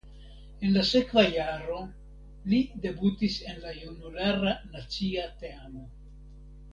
En la sekva jaro li debutis en la junulara nacia teamo.